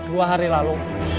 dua hari lalu